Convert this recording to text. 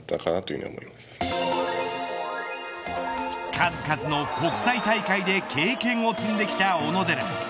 数々の国際大会で経験を積んできた小野寺。